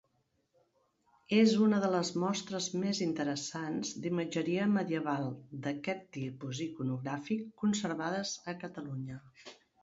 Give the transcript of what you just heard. És una de les mostres més interessants d'imatgeria medieval d'aquest tipus iconogràfic conservades a Catalunya.